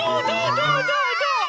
どうどうどう？